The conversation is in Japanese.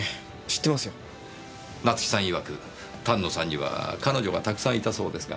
曰く丹野さんには彼女がたくさんいたそうですが。